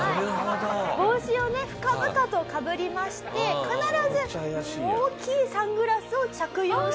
帽子をね深々とかぶりまして必ず大きいサングラスを着用して会っていたと。